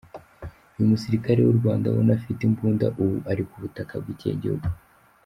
Uyu musirikare w’u Rwanda unafite imbunda ubu ari ku butaka bw’ikihe gihugu?